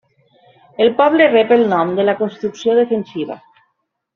El poble rep el nom de la construcció defensiva.